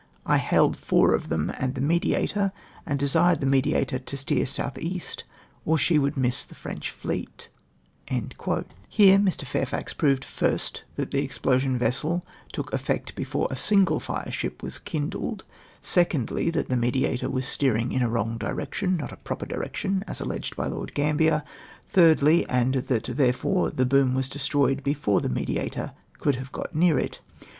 I hailed four of them and the Mediator, and desired tJte Mediator to steer south east, or else she would r)iiss the French fleet. ''^ Here Mr. Fairfax proved ; 1st, that the explosion vessel took effect before a single firesliip was kindled. 2ndly, that the Mediator was steering in a wrong direc tion^ not a "^ proper direction^' as alleged by Lord Gambler, ordly, and that therefore the boom was destroyed before the Mediator could have got near it.